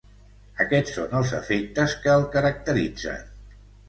Aquests són els efectes que el caracteritzen.